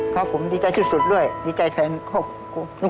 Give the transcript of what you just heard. ครับผมดีใจสุดด้วยดีใจแทนครอบครัว